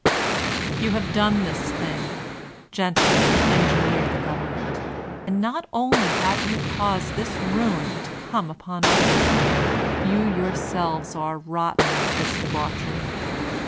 You have done this thing, gentlemen who engineer the government; and not only have you caused this ruin to come upon others; you yourselves are rotten with this debauchery.